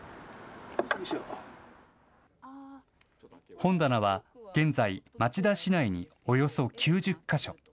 本棚は現在、町田市内におよそ９０か所。